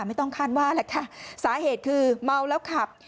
ไม่ต้องคาดว่าแหละค่ะสาเหตุคือเมาแล้วขับ